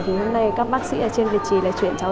thì hôm nay các bác sĩ ở trên việt trì lại chuyển cháu